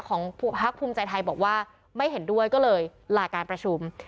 ของพักภูมิใจไทยบอกว่าไม่เห็นด้วยก็เลยลาการประชุม